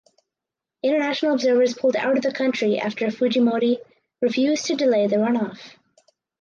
International observers pulled out of the country after Fujimori refused to delay the runoff.